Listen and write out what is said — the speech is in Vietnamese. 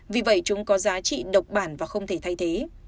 vì vậy chúng có giá trị độc bản và không thể thay thế